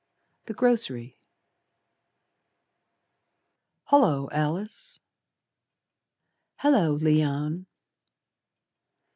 The Grocery "Hullo, Alice!" "Hullo, Leon!"